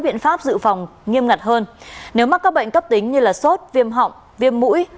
biện pháp dự phòng nghiêm ngặt hơn nếu mắc các bệnh cấp tính như sốt viêm họng viêm mũi